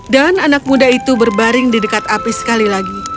dan anak muda itu berbaring di dekat api sekali lagi